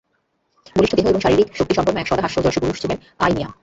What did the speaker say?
বলিষ্ট দেহ এবং শারীরিক শক্তিসম্পন্ন এক সদা হাস্যোজ্জল সুপুরুষ ছিল আইনিয়া।